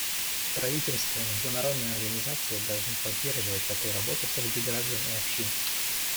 Правительства и международные организации должны поддерживать такую работу среди граждан и общин.